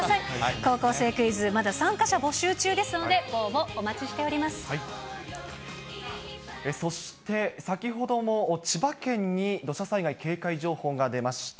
高校生クイズ、まだ参加者募集中ですので、そして、先ほども、千葉県に土砂災害警戒情報が出ました。